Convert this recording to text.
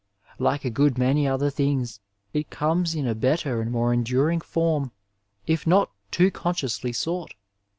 Like a good many othei things, it comes in a better and more enduring tonn if not too consciously sought.